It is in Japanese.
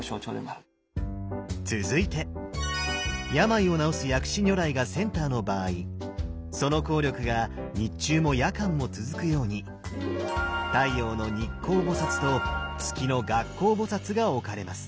続いて病を治す薬師如来がセンターの場合その効力が日中も夜間も続くように太陽の日光菩と月の月光菩が置かれます。